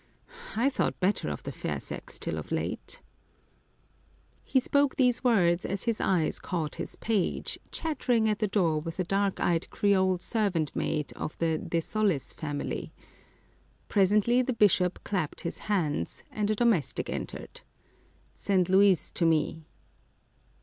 I thought better of the fair sex till of late." He spoke these words as his eyes caught his page, chattering at the door with a dark eyed Creole servant maid of the De Solis family. Presently the bishop clapped his hands, and a domestic entered. " Send Luis to me."